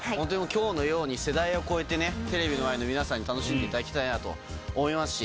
今日のように世代を超えてねテレビの前の皆さんに楽しんでいただきたいなと思いますし。